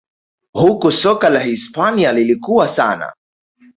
Huku soka la Hispania lilikua sana